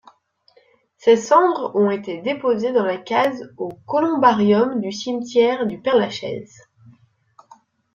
Ses cendres ont été déposées dans la case au columbarium du cimetière du Père-Lachaise.